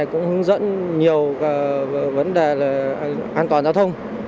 cũng hướng dẫn nhiều vấn đề an toàn giao thông